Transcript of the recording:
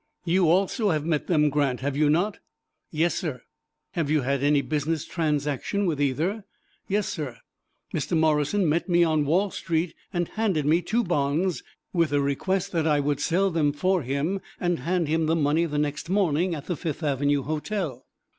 "You also have met them, Grant, have you not?" "Yes, sir." "Have you had any business transaction with either?" "Yes, sir. Mr. Morrison met me on Wall Street and handed me two bonds, with a request that I would sell them for him, and hand him the money the next morning, at the Fifth Avenue Hotel."